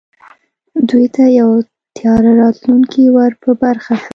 دوی ته یو تیاره راتلونکی ور په برخه شو